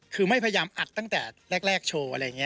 คือไม่พยายามอัดตั้งแต่แรกโชว์อะไรอย่างนี้